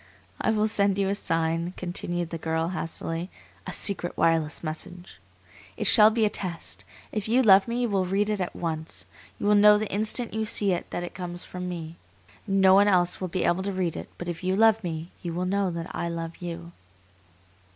"I will send you a sign," continued the girl, hastily; "a secret wireless message. It shall be a test. If you love me you will read it at once. You will know the instant you see it that it comes from me. No one else will be able to read it; but if you love me, you will know that I love you."